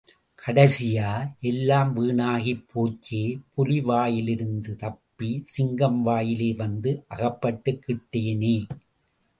கடைசியா, எல்லாம் வீணாகிப் போச்சே, புலி வாயிலிருந்து தப்பி சிங்கம் வாயிலே வந்து அகப்பட்டுக்கிட்டேனே?